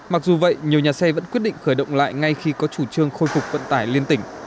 mặc dù vậy nhiều nhà xe vẫn quyết định khởi động lại ngay khi có chủ trương khôi phục vận tải liên tỉnh